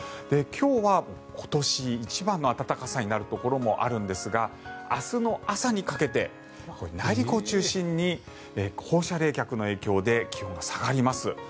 今日は今年一番の暖かさになるところもあるんですが明日の朝にかけて内陸を中心に放射冷却の影響で気温が下がります。